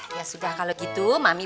ya sudah kalau gitu mami